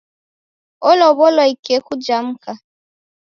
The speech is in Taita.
Olow'oa ikeku ja mka.